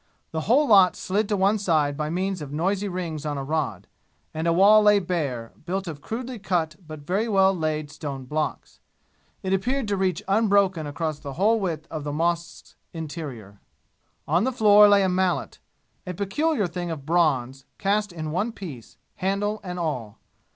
The whole lot slid to one side by means of noisy rings on a rod, and a wall lay bare, built of crudely cut but very well laid stone blocks. It appeared to reach unbroken across the whole width of the mosque's interior. On the floor lay a mallet, a peculiar thing of bronze, cast in one piece, handle and all.